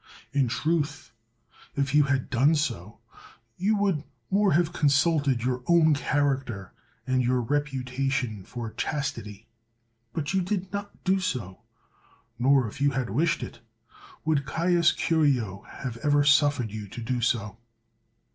In truth, if you had done so, you would more have consulted your own character and your reputa tion for chastity. But you did not do so, nor, if you had wished it, would Caius Curio have ever suffered you to do so.